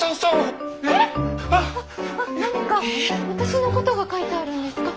何か私の事が書いてあるんですか？